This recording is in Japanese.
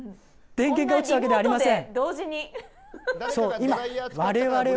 電源が落ちたわけではありません。